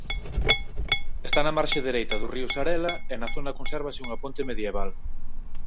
Está na marxe dereita do río Sarela e na zona consérvase unha ponte medieval.